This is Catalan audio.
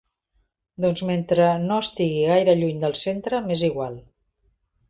Doncs mentre no estigui gaire lluny del centre, m'és igual.